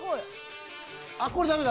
あっこれダメだ。